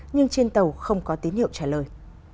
nhưng trên tàu không có tín hiệu trả lời